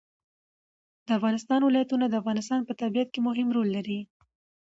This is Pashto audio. د افغانستان ولايتونه د افغانستان په طبیعت کې مهم رول لري.